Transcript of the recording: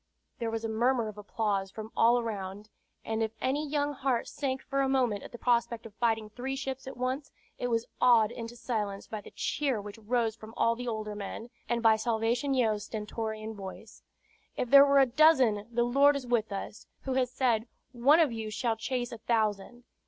There was a murmur of applause from all around; and if any young heart sank for a moment at the prospect of fighting three ships at once, it was awed into silence by the cheer which rose from all the older men, and by Salvation Yeo's stentorian voice: "If there were a dozen, the Lord is with us, who has said, 'One of you shall chase a thousand.'